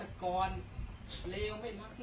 อยากแบบนั้นมากกว่า